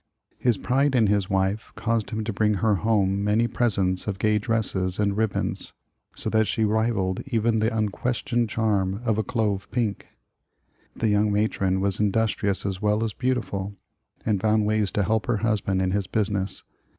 His pride in bis young wife caused him to bring her home many pres ents of gay dresses and ribbons, so that she rivalled even the unquestioned charm of a clove pink. The young matron was industrious as well as beautiful, and found ways to help her husband in his business.